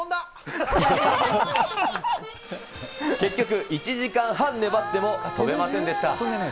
結局、１時間半粘っても飛べませんでした。